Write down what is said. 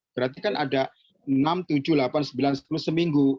berarti kan ada enam tujuh delapan sembilan sepuluh seminggu